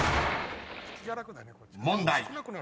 ［問題］